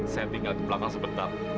saya tinggal di belakang sebentar